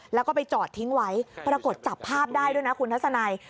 แล้วก็ไปจอดทิ้งไว้ปรากฏจับภาพได้ด้วยนะคุณทัศนัย